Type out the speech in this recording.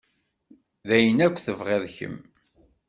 D ayen akk tebɣiḍ kemm.